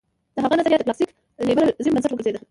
د هغه نظریات د کلاسیک لېبرالېزم بنسټ وګرځېد.